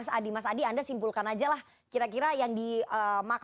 tidak ada mbak rifana